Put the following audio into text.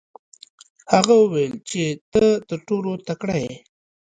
هغه وویل چې ته تر ټولو تکړه یې.